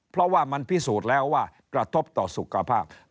เพราะว่ามันพิสูจน์แล้วว่ากระทบต่อสุขภาพ